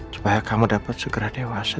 supaya kamu dapat segera dewasa